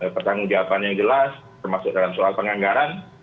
bertanggung jawabannya yang jelas termasuk dalam soal penganggaran